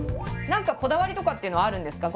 何かこだわりとかっていうのはあるんですか？